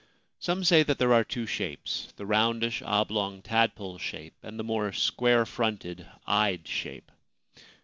Some say that there are two shapes — the roundish oblong tadpole shape, and the more square fronted eyed shape.